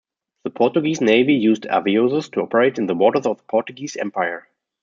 The Portuguese Navy used avisos to operate in the waters of the Portuguese Empire.